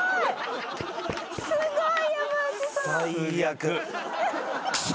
すごい！